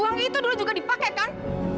uang itu dulu juga dipakai kan